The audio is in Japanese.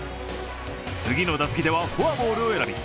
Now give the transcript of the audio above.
次の打席ではフォアボールを選び